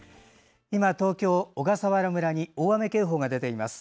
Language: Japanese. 今、東京・小笠原村に大雨警報が出ています。